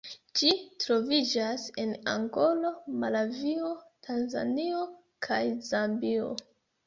Ĝi troviĝas en Angolo, Malavio, Tanzanio kaj Zambio.